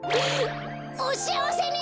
おしあわせに！